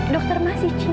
dokter masih cinta sama dia